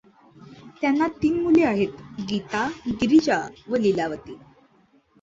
त्यांना तीन मुली आहेत गीता, गिरिजा व लीलावती.